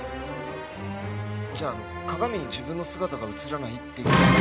じゃあ鏡に自分の姿が映らないっていうのは。